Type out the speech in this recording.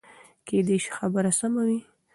کېدای شي خبره سمه وي.